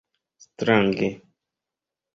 strange